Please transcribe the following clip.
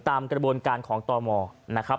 ตามกระบวนการของตมนะครับ